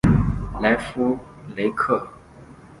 勒夫雷克。